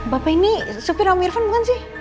bapak ini sepir om irvan bukan sih